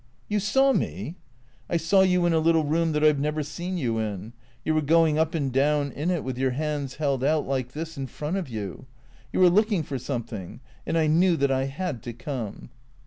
" You saw me ?"" I saw you in a little room that I 've never seen you in. You were going up and down in it, with your hands held out, like this, in front of you. You were looking for something. And I knew that I had to come."